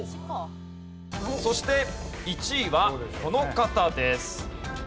そして１位はこの方です。